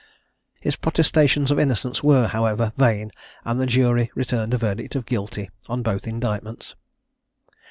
His protestations of innocence were, however, vain, and the jury returned a verdict of Guilty on both indictments.